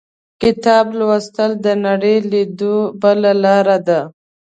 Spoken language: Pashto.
• کتاب لوستل، د نړۍ لیدو بله لاره ده.